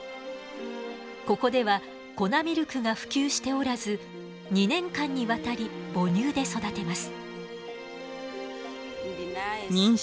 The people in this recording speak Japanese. ここでは粉ミルクが普及しておらず２年間にわたり母乳で育てます。